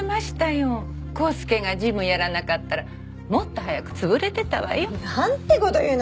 康介が事務やらなかったらもっと早く潰れてたわよ。なんて事言うの？